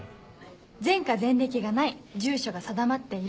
前科前歴がない住所が定まっている。